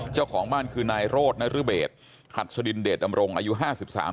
เจ้าของบ้านคือนายโรธนรเบศหัดสดินเดชดำรงอายุห้าสิบสาม